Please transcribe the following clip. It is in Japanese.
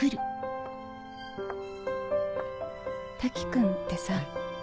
瀧くんってさ。